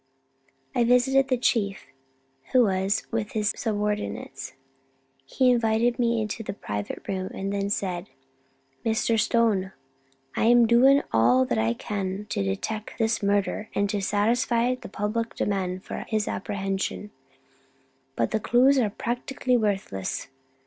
I visited the Chief, who was with his subordinates. He invited me into the private room, and then said: "Mr. Stone, I am doing all I can to detect this murderer and to satisfy the public demand for his apprehension, but the clues are practically worthless.